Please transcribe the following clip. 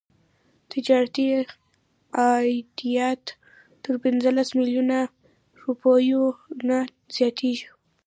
تجارتي عایدات تر پنځلس میلیونه روپیو نه زیاتیږي.